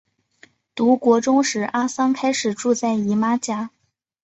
读国中时阿桑开始住在姨妈家。